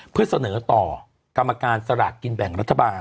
เพื่อเสนอต่อกรรมการสลากกินแบ่งรัฐบาล